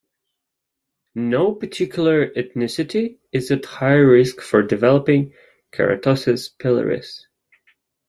No particular ethnicity is at higher risk for developing keratosis pilaris.